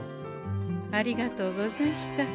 ありがとうござんした。